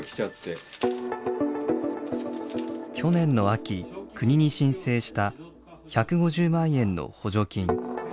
去年の秋国に申請した１５０万円の補助金。